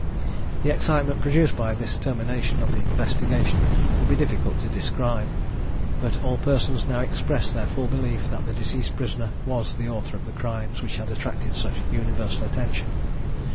The excitement produced by this termination of the investigation would be difficult to describe, but all persons now expressed their full belief that the deceased prisoner was the author of the crimes which had attracted such universal attention.